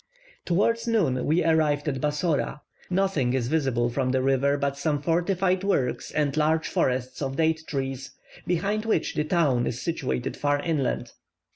Towards noon we arrived at Bassora. Nothing is visible from the river but some fortified works and large forests of date trees, behind which the town is situated far inland.